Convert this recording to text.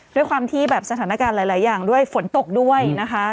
ด้วยความที่แบบสถานการณ์หลายอย่างด้วยฝนตกด้วยนะคะ